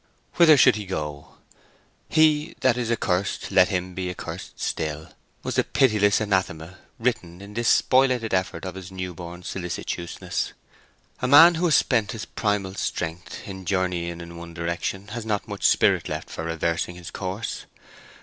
Whither should he go? "He that is accursed, let him be accursed still," was the pitiless anathema written in this spoliated effort of his new born solicitousness. A man who has spent his primal strength in journeying in one direction has not much spirit left for reversing his course.